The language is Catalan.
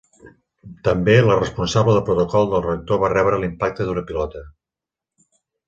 També, la responsable de protocol del rector va rebre l'impacte d'una pilota.